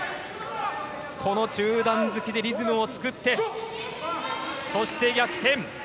この中段突きでリズムを作ってそして、逆転。